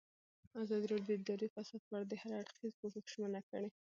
ازادي راډیو د اداري فساد په اړه د هر اړخیز پوښښ ژمنه کړې.